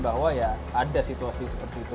bahwa ya ada situasi seperti itu